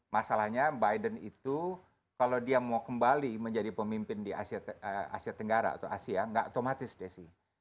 masalahnya biden itu kalau dia mau kembali menjadi pemimpin di asia tenggara atau asia nggak otomatis desi